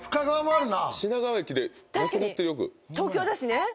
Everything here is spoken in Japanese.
東京だしね。